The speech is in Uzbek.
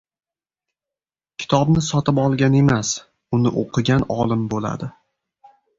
• Kitobni sotib olgan emas, uni o‘qigan olim bo‘ladi.